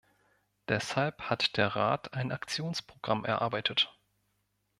Deshalb hat der Rat ein Aktionsprogramm erarbeitet.